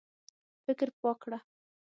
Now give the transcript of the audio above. فکر پاک کړه.